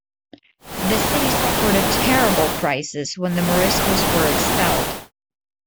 The city suffered a terrible crisis when the Moriscos were expelled.